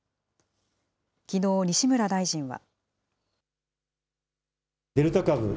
きのう、西村大臣は。